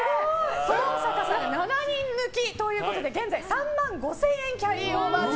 登坂さん、７人抜きということで現在、３万５０００円キャリーオーバー中。